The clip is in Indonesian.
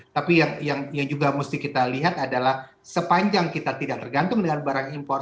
tapi yang juga mesti kita lihat adalah sepanjang kita tidak tergantung dengan barang impor